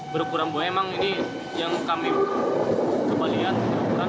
berukuran buaya memang ini yang kami kembalikan